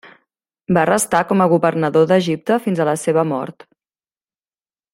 Va restar com a governador d'Egipte fins a la seva mort.